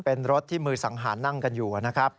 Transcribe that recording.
เป็นรถที่มือสังหารนั่งกันอยู่นะครับ